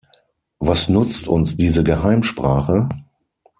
Was nutzt uns diese Geheimsprache?